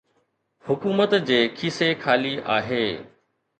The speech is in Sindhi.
حڪومت جي کيسي خالي آهي.